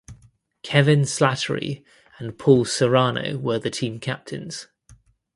Kevin Slattery and Paul Serrano were the team captains.